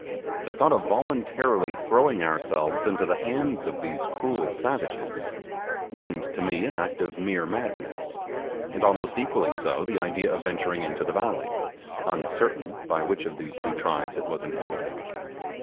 The thought of voluntarily throwing ourselves into the hands of these cruel savages, seemed to me an act of mere madness; and almost equally so the idea of venturing into the valley, uncertain by which of these two tribes it was inhabited.